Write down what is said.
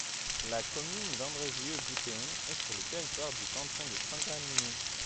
La commune d'Andrézieux-Bouthéon est sur le territoire du canton de Saint-Galmier.